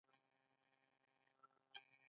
کله چې افغانستان کې ولسواکي وي ناهیلي ورکیږي.